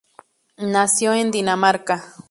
Nació en Dinamarca.